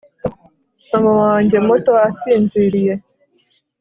Mama wanjye muto asinziriye